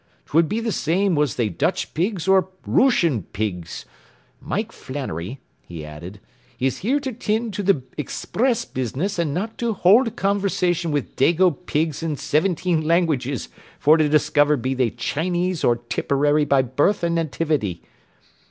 'Twould be the same was they Dutch pigs or Rooshun pigs. Mike Flannery,” he added, “is here to tind to the expriss business and not to hould conversation wid dago pigs in sivinteen languages fer to discover be they Chinese or Tipperary by birth an' nativity.